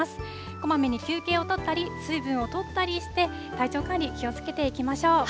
こまめに休憩をとったり、水分をとったりして、体調管理、気をつけていきましょう。